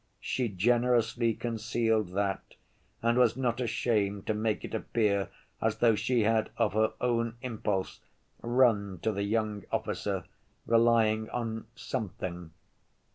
She generously concealed that and was not ashamed to make it appear as though she had of her own impulse run to the young officer, relying on something